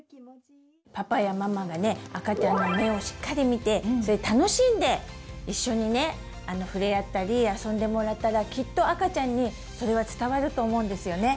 パパやママがね赤ちゃんの目をしっかり見て楽しんで一緒にねふれあったり遊んでもらったらきっと赤ちゃんにそれは伝わると思うんですよね！